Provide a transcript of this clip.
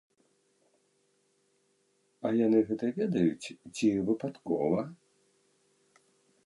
А яны гэта ведаюць ці выпадкова?